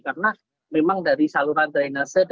karena memang dari saluran drainase